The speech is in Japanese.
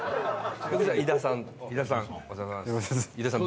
井田さん。